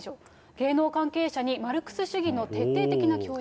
芸能関係者に、マルクス主義の徹底的な教育。